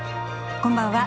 こんばんは。